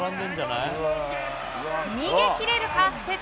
逃げ切れるか、瀬戸。